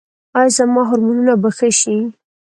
ایا زما هورمونونه به ښه شي؟